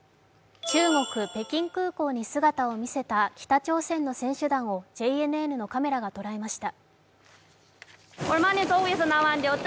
中国・北京空港に姿を見せた北朝鮮の選手団をＪＮＮのカメラが捉えました。